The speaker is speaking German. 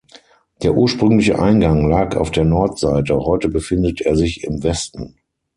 Der ursprüngliche Eingang lag auf der Nordseite, heute befindet er sich im Westen.